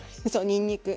にんにく。